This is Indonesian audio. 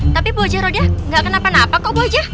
tapi bu aja rodi ya gak kenapa napa kok bu aja